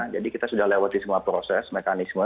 jadi kita sudah lewati semua proses mekanisme